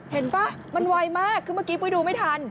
เห็นป่ะมันวายมากคือเมื่อกี้ไปดูไม่ทัน